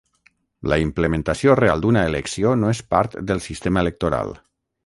La implementació real d'una elecció no és part del sistema electoral.